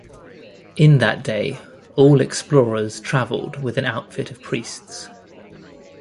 In that day, all explorers travelled with an outfit of priests.